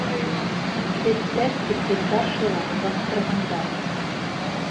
Эттәр, секретаршалар баҫтырғандар!